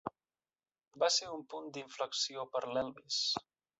Va ser un punt d'inflexió per l"Elvis.